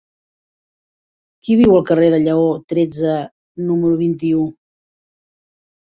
Qui viu al carrer de Lleó tretze número vint-i-u?